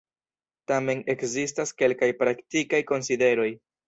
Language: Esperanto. Tamen ekzistas kelkaj praktikaj konsideroj.